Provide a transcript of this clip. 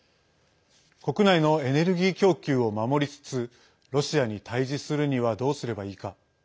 国内のエネルギー供給を守りつつロシアに対じするにはどうすればいいか。